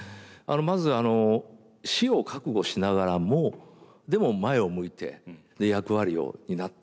まず死を覚悟しながらもでも前を向いて役割を担ってる。